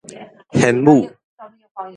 玄武